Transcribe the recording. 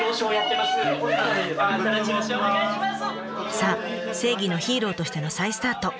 さあ正義のヒーローとしての再スタート。